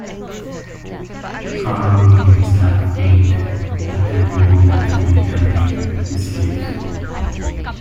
Pharoh's minions have been abducting women to make them his slaves.